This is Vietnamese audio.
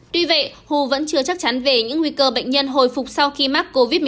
tuy vậy hồ vẫn chưa chắc chắn về những nguy cơ bệnh nhân hồi phục sau khi mắc covid một mươi chín